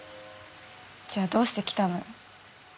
じゃあどうして来たのよ。